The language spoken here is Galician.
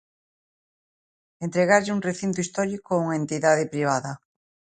Entregarlle un recinto histórico a unha entidade privada.